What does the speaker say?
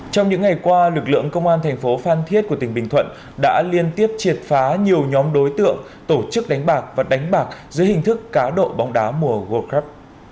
trong những ngày qua lực lượng công an thành phố phan thiết của tỉnh bình thuận đã liên tiếp triệt phá nhiều nhóm đối tượng tổ chức đánh bạc và đánh bạc dưới hình thức cá độ bóng đá mùa god cup